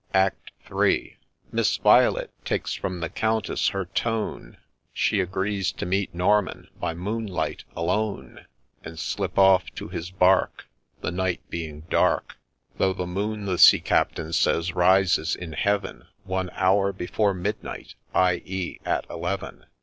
ACT III. Miss Violet takes from the Countess her tone ; She agrees to meet Norman ' by moonlight alone,' And slip off to his bark, ' The night being dark," Though ' the moon,' the Sea Captain says, rises in Heaven ' One hour before midnight,' ». e. at eleven.